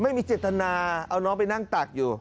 ไม่มีเจตนาเอาน้องไปนั่งตักอยู่